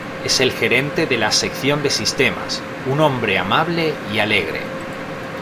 Es el gerente de la sección de sistemas, un hombre amable y alegre.